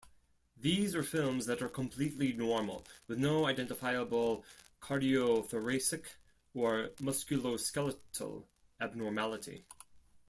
These are films that are completely normal, with no identifiable cardiothoracic or musculoskeletal abnormality.